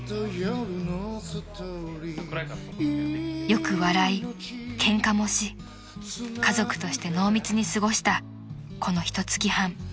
［よく笑いケンカもし家族として濃密に過ごしたこのひとつき半］